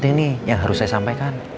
ini yang harus saya sampaikan